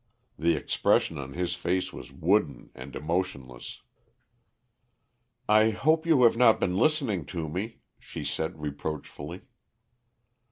The expression on his face was wooden and emotionless. "I hope you have not been listening to me," she said reproachfully.